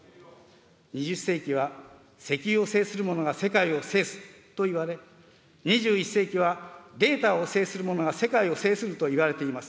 ２０世紀は石油を制するものが世界を制すといわれ、２１世紀は、データを制するものが世界を制するといわれています。